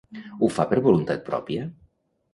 Ho fa per voluntat pròpia?